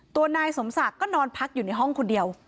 ตัวนายสมศักดิ์ก็นอนพักอยู่ในห้องคนเดียว